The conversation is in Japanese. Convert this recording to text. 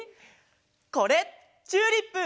これチューリップ！